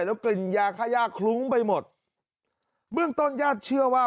แล้วกลิ่นยาค่าย่าคลุ้งไปหมดเบื้องต้นญาติเชื่อว่า